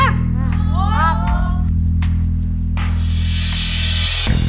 ครับ